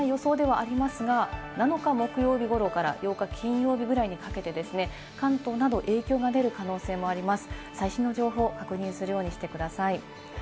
台風としてはあまり発達しない予想ではありますが、７日・木曜日頃から８日・金曜日ぐらいにかけてですね、関東など影響が出る可能性もあります。